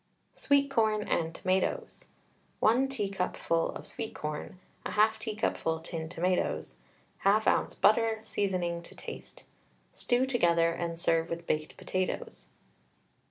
SWEET CORN AND TOMATOES. 1 teacupful of sweet corn, 1/2 teacupful tinned tomatoes, 1/2 oz. butter, seasoning to taste. Stew together, and serve with baked potatoes.